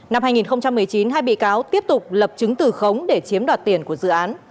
năm hai nghìn một mươi chín hai bị cáo tiếp tục lập chứng từ khống để chiếm đoạt tiền của dự án